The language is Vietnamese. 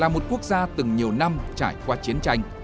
là một quốc gia từng nhiều năm trải qua chiến tranh